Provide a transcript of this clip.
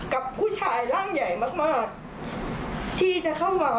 กับผู้ชายร่างใหญ่มากที่จะเข้ามา